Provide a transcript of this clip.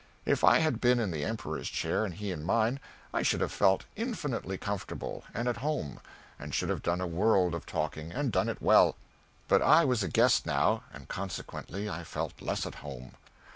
If I had been in the Emperor's chair and he in mine, I should have felt infinitely comfortable and at home, and should have done a world of talking, and done it well; but I was guest now, and consequently I felt less at home.